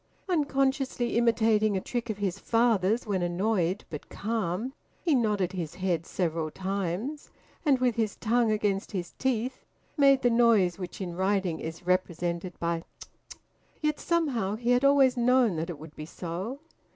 Unconsciously imitating a trick of his father's when annoyed but calm, he nodded his head several times, and with his tongue against his teeth made the noise which in writing is represented by `tut tut.' Yet somehow he had always known that it would be so.